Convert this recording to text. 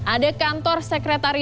ada kantor sekretaris